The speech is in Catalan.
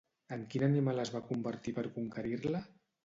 En quin animal es va convertir per conquerir-la?